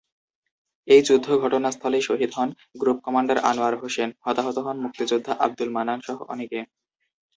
এই যুদ্ধে ঘটনাস্থলেই শহীদ হন গ্রুপ কমান্ডার আনোয়ার হোসেন, হতাহত হন মুক্তিযোদ্ধা আব্দুল মান্নান সহ অনেকে।